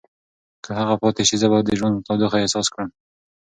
که هغه پاتې شي، زه به د ژوند تودوخه احساس کړم.